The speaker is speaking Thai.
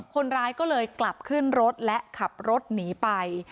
คนร้ายก็เลยกลับขึ้นรถและขับรถหนีไป